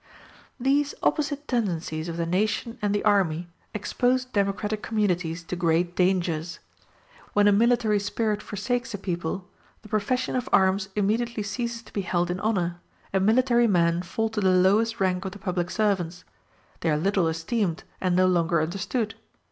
These opposite tendencies of the nation and the army expose democratic communities to great dangers. When a military spirit forsakes a people, the profession of arms immediately ceases to be held in honor, and military men fall to the lowest rank of the public servants: they are little esteemed, and no longer understood.